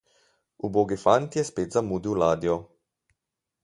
Ubogi fant je spet zamudil ladjo.